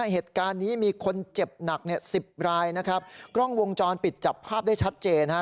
เหตุการณ์นี้มีคนเจ็บหนักเนี่ยสิบรายนะครับกล้องวงจรปิดจับภาพได้ชัดเจนฮะ